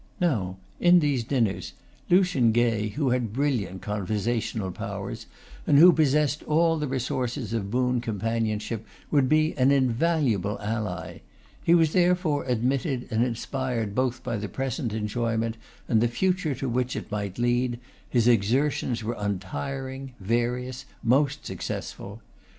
Now in these dinners, Lucian Gay, who had brilliant conversational powers, and who possessed all the resources of boon companionship, would be an invaluable ally. He was therefore admitted, and inspired both by the present enjoyment, and the future to which it might lead, his exertions were untiring, various, most successful.